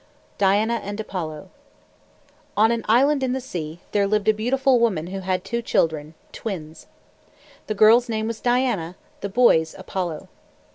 DIANA AND APOLLO On an island in the sea, there lived a beautiful woman who had two children, twins. The girl's name was Diana, the boy's Apollo.